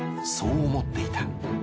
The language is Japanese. そう思っていた。